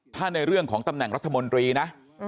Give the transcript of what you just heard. ถ้าในเรื่องของตำแหน่งรัฐมนตรีนะ